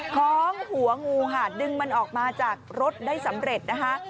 คล้องหัวงูค่ะดึงมันออกมาจากรถได้สำเร็จนะคะ